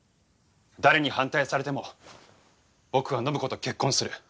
誰に反対されても僕は暢子と結婚する。